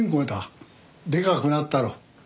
でかくなったろう？